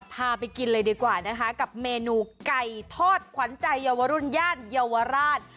พาไปกินเลยดีกว่านะคะกับเมนูไก่ทอดขวัญใจเยาวรุ่นย่านเยาวราช